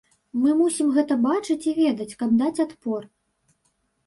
Мы мусім гэта бачыць і ведаць, каб даць адпор.